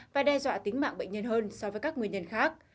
và đe dọa tính mạng bệnh nhân hơn so với các nguyên nhân khác